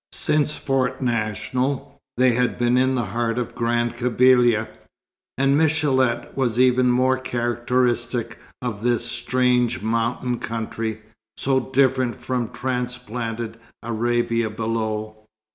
Since Fort National, they had been in the heart of Grand Kabylia; and Michélet was even more characteristic of this strange mountain country, so different from transplanted Arabia below.